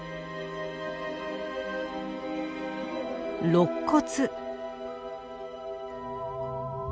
ろっ骨。